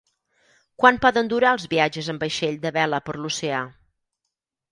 Quant poden durar els viatges en vaixell de vela per l'oceà?